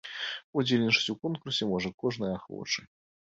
Удзельнічаць у конкурсе можа кожны ахвочы.